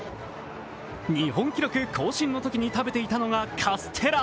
日本記録更新のときに食べていたのがカステラ。